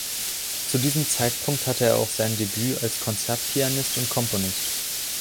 Zu diesem Zeitpunkt hatte er auch sein Debüt als Konzertpianist und Komponist.